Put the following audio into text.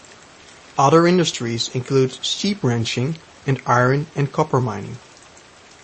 Other industries include sheep ranching and iron and copper mining.